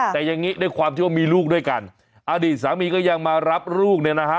แต่อย่างนี้ด้วยความที่ว่ามีลูกด้วยกันอดีตสามีก็ยังมารับลูกเนี่ยนะฮะ